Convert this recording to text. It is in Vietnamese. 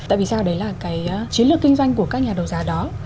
tại vì sao đấy là cái chiến lược kinh doanh của các nhà đấu giá đó